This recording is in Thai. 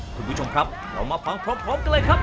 คุณผู้ชมครับเรามาฟังพร้อมกันเลยครับ